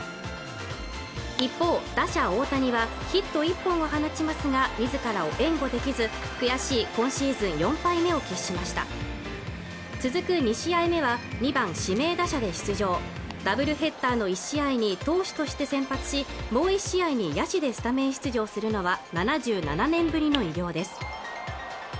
一方打者・大谷はヒット１本を放ちますがみずからを援護できず悔しい今シーズン４敗目を喫しました続く２試合目は２番指名打者で出場ダブルヘッダーの１試合に投手として先発しもう１試合に野手でスタメン出場するのは７７年ぶりの偉業です